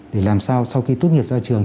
để làm sao sau khi tốt nghiệp ra trường